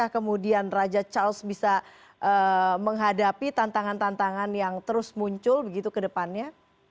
kemudian raja charles bisa menghadapi tantangan tantangan yang terus muncul begitu ke depannya